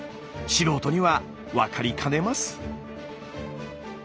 素人には分かりかねます。